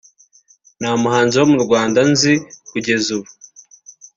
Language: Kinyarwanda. nta muhanzi wo mu Rwanda nzi kugeza ubu